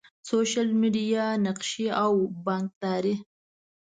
سوشل میډیا، نقشي او بانکداری